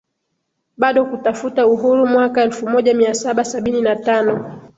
bado kutafuta uhuru Mwaka elfumoja miasaba sabini na tano